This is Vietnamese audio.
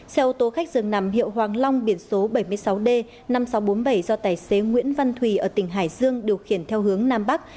xe ô tô khách dường nằm hiệu hoàng long biển số bảy mươi sáu d năm nghìn sáu trăm bốn mươi bảy do tài xế nguyễn văn thùy ở tỉnh hải dương điều khiển theo hướng nam bắc